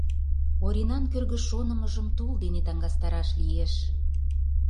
Оринан кӧргӧ шонымыжым тул дене таҥастараш лиеш...